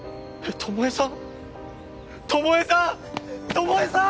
巴さん。